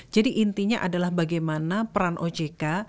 jadi intinya adalah bagaimana peran ojk